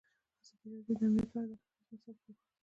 ازادي راډیو د امنیت په اړه د هر اړخیزو مسایلو پوښښ کړی.